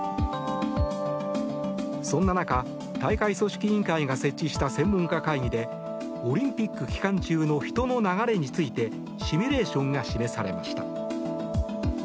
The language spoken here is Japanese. そんな中、大会組織委員会が設置した専門家会議でオリンピック期間中の人の流れについてシミュレーションが示されました。